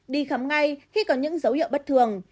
đi khám ngay khi có những dấu hiệu bất thường